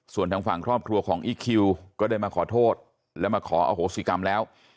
ส่วนทางฝั่งครอบครัวของอีคคิวก็ได้มาขอโทษและมาขออโหสิกรรมแล้ว